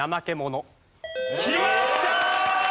決まったー！